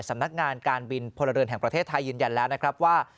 สำนักงานการบินพลเรือนแห่งประเทศไทยยืนยันแล้วนะครับว่า